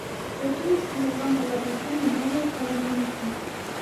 Վերջինս քիմիական բաղադրությամբ նման է թաղանթանյութին։